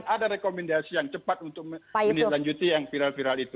ada rekomendasi yang cepat untuk menindaklanjuti yang viral viral itu